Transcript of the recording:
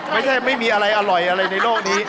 ไม่มีอะไรอร่อยอะไรในโลกนี้